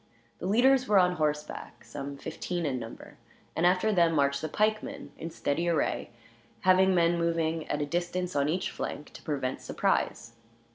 The leaders were on horseback, some fifteen in number; and after them marched the pikemen, in steady array, having men moving at a distance on each flank, to prevent surprise.